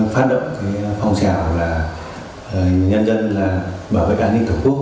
phát động phòng trào là nhân dân bảo vệ an ninh tổng quốc